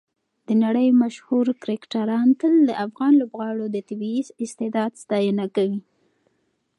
د نړۍ مشهور کرکټران تل د افغان لوبغاړو د طبیعي استعداد ستاینه کوي.